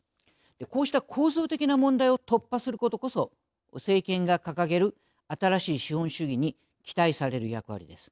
こうした構造的な問題を突破することこそ政権が掲げる新しい資本主義に期待される役割です。